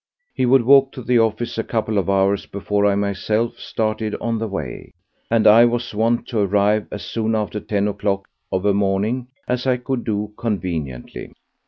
He would walk to the office a couple of hours before I myself started on the way, and I was wont to arrive as soon after ten o'clock of a morning as I could do conveniently.